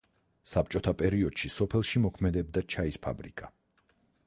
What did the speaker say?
საბჭოთა პერიოდში სოფელში მოქმედებდა ჩაის ფაბრიკა.